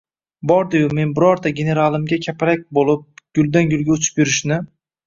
— Bordi-yu men birorta generalimga kapalak bo‘lib guldan-gulga uchib yurishni